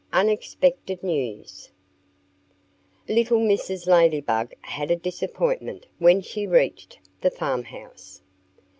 IX UNEXPECTED NEWS LITTLE Mrs. Ladybug had a disappointment when she reached the farmhouse.